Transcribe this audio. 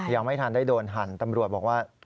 ยังไม่ทันได้โดนหันตำรวจบอกว่า